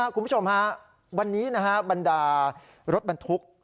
คุณผู้ชมว่าวันนี้นะฮะบรรดารถบรรทุก